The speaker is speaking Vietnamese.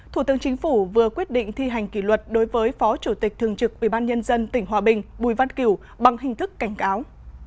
thủ tướng chính phủ vừa quyết định thi hành kỷ luật đối với phó chủ tịch thường trực ubnd tỉnh hòa bình bùi văn kiểu bằng hình thức cảnh cáo